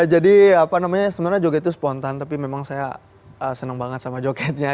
jadi apa namanya sebenarnya joget itu spontan tapi memang saya senang banget sama jogetnya